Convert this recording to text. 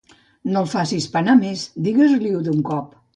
No el facis penar més: digues-li-ho d'un cop.